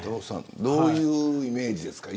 どういうイメージですか。